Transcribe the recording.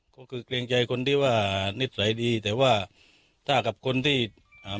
ก็คือเกรงใจคนที่ว่านิสัยดีแต่ว่าถ้ากับคนที่อ่า